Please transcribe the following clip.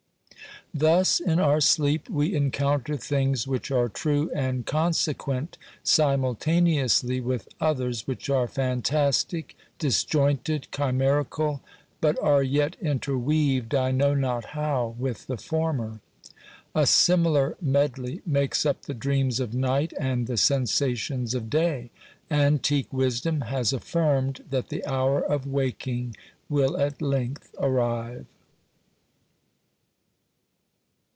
Thus in our sleep we encounter things which are true and consequent simultaneously with others which are fantastic, disjointed, chimerical, but are yet interweaved, I know not how, with the former. A similar medley makes up the dreams of night and the sensations of day. Antique wisdom has affirmed that the hour of waking will at length arrive.